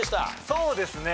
そうですね。